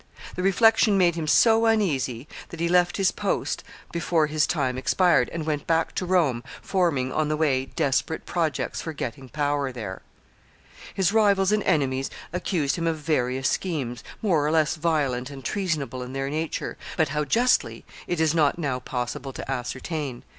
The reflection made him so uneasy that he left his post before his time expired, and went back to Rome, forming, on the way, desperate projects for getting power there. [Sidenote: Caesar accused of treason.] His rivals and enemies accused him of various schemes, more or less violent and treasonable in their nature, but how justly it is not now possible to ascertain.